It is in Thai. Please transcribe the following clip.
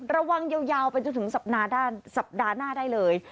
ระวังยาวไปจนถึงสัปดาห์หน้าได้เลย